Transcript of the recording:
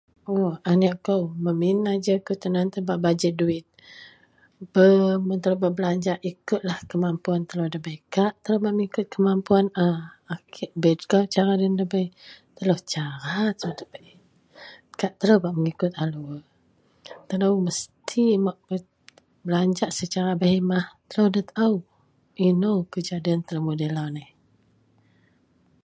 O aneak kou memin najer kou, tan aan tan bak bajet duwit. [Ber] mun telou bak belajak ikutlah kemampuan telou debei, kak telou mengikut kemampuan a. Akek bei kawak cara loyen debei, telou cara telou debei. Kak telou bak mengikut a luwer. Telou mesti belajak secara berhemah. Telou nda taao inou kejadian telou mudei lau neh.